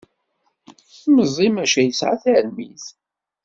Meẓẓi maca yesεa tarmit.